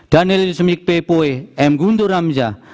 daniel lusumik p poe m guntur ramjah